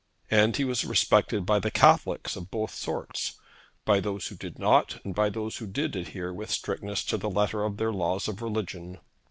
And he was respected by the Catholics of both sorts, by those who did not and by those who did adhere with strictness to the letter of their laws of religion.